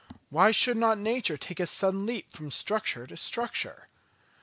Why should not Nature take a sudden leap from structure to structure?